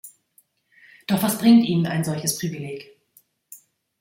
Doch was bringt ihnen ein solches Privileg?